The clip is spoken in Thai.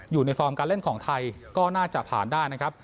อยู่ในฟอร์มการเล่นของไทยก็น่าจะผ่านได้นะครับ